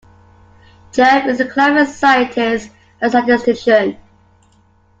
Jeff is a climate scientist and statistician.